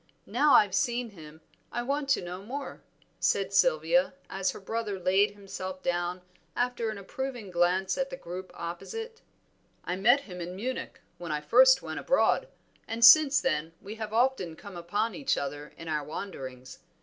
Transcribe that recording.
Now I've seen him, I want to know more," said Sylvia, as her brother laid himself down after an approving glance at the group opposite. "I met him in Munich, when I first went abroad, and since then we have often come upon each other in our wanderings.